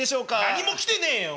何も来てねえよ！